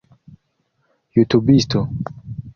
jutubisto